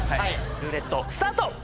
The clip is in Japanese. ルーレットスタート！